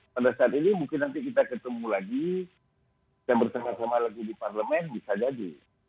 pada saat ini mungkin nanti kita ketemu lagi kita bersama sama lagi di parlemen bisa jadi